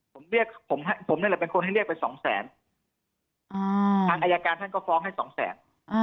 ผมเนี่ยเป็นคนที่เรียกไปสองแสนอายารการก็ฟ้องให้สองแสน